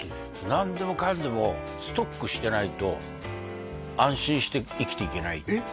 何でもかんでもストックしてないと安心して生きていけないんですえっ